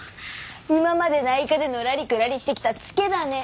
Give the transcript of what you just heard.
今まで内科でのらりくらりしてきたつけだね。